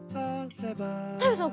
太陽さん